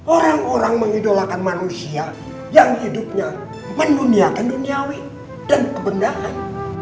orang orang mengidolakan manusia yang hidupnya menduniakan duniawi dan kebenahan